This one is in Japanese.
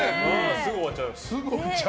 すぐ終わっちゃう。